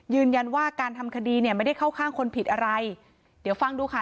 ยืนยันว่าการทำคดีเนี่ยไม่ได้เข้าข้างคนผิดอะไรเดี๋ยวฟังดูค่ะ